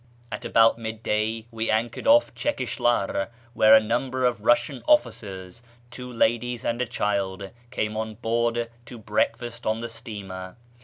At about mid day we anchored off Chekishlar, where a number of Russian officers, two ladies, and a child, came on board to break fast on the steamer.